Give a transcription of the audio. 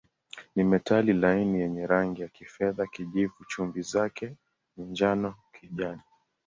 Ni metali laini yenye rangi ya kifedha-kijivu, chumvi zake ni njano-kijani.